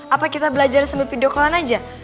apa kita belajar sambil video call an aja